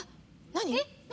何！？